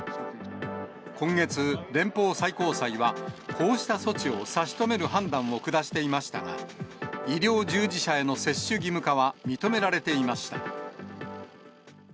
今月、連邦最高裁は、こうした措置を差し止める判断を下していましたが、医療従事者への接種義務化は認められていました。